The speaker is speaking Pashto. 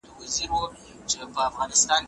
جرګه د هېواد د ارضي تمامیت او ملي حاکمیت دفاع کوي.